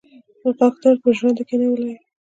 د غاښ درد پر ژرنده کېنولی يم.